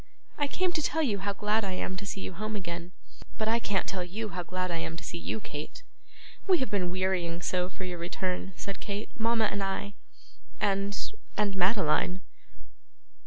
'I came to tell you how glad I am to see you home again.' 'But I can't tell you how glad I am to see you, Kate.' 'We have been wearying so for your return,' said Kate, 'mama and I, and and Madeline.